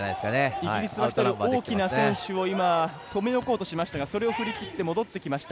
イギリスの大きな選手を留め置こうとしましたがそれを振り切って戻ってきました。